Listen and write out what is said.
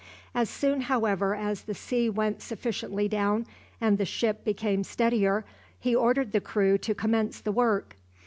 As soon, however, as the sea went sufficiently down, and the ship became steadier, he ordered the crew to commence the work.